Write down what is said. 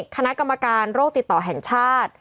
คณะกรรมการโรคติดต่อแห่งชาติ